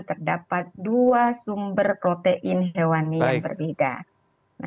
terdapat dua sumber protein hewani yang berbeda